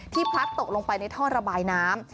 พลัดตกลงไปในท่อระบายน้ำ